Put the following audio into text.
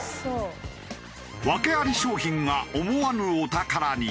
ワケあり商品が思わぬお宝に。